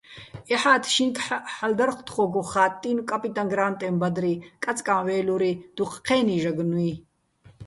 ეჰ̦ათ შინგჰ̦აჸ ჰ̦ალო̆ დარ თხო́გო ხა́ტტინო̆ "კაპიტაჼ გრა́ნტეჼ ბადრი", "კაწკაჼ ვე́ლური", დუჴ ჴე́ნი ჟაგნუჲ.